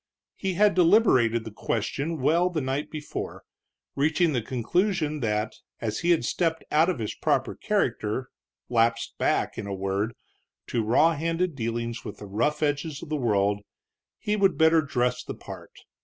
He had deliberated the question well the night before, reaching the conclusion that, as he had stepped out of his proper character, lapsed back, in a word, to raw handed dealings with the rough edges of the world, he would better dress the part.